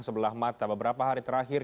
sebelah mata beberapa hari terakhir